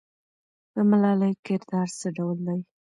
د ملالۍ کردار څه ډول دی؟